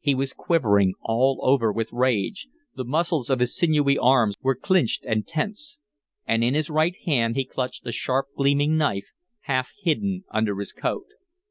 He was quivering all over with rage; the muscles of his sinewy arms were clinched and tense. And in his right hand he clutched a sharp, gleaming knife, half hidden under his coat.